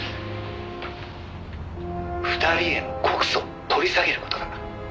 「２人への告訴を取り下げる事だ」